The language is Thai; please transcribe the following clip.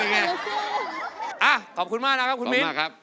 อ่ะขอบคุณมากครับคุณมีนขอบคุณมากครับขอบคุณมากครับ